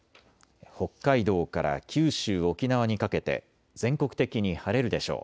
北海道から九州、沖縄にかけて全国的に晴れるでしょう。